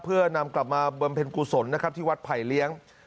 เพื่อนำกลับมาบำเพ็ญกุศลนะครับที่วัดไผ่เลี้ยง